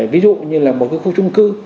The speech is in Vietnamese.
ví dụ như là một cái khu trung cư